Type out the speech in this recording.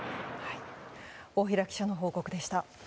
大平記者の報告でした。